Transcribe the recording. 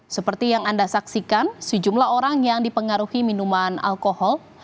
seperti yang anda saksikan sejumlah orang yang dipengaruhi minuman alkohol